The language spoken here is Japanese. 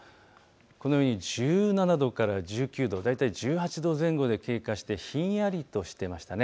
このように１７度から１９度、大体１８度前後で経過してひんやりとしていました。